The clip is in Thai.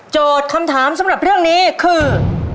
คำถามสำหรับเรื่องนี้คือ